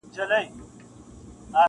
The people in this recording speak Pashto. یوه ژاړي بلي خپل ګرېوان څیرلی -